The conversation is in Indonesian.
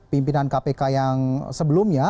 pimpinan kpk yang sebelumnya